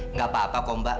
nggak apa apa kok mbak